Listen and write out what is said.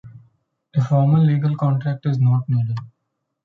A formal legal contract is not needed.